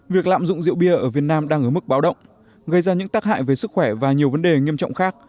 việc lạm dụng rượu bia ở việt nam đang ở mức báo động gây ra những tác hại về sức khỏe và nhiều vấn đề nghiêm trọng khác